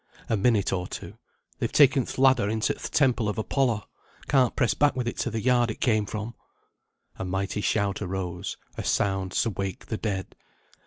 A minute or two. "They've taken th' ladder into th' Temple of Apollor. Can't press back with it to the yard it came from." A mighty shout arose; a sound to wake the dead.